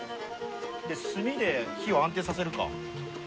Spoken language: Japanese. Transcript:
で炭で火を安定させるか。